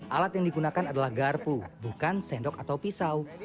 alat yang digunakan adalah garpu bukan sendok atau pisau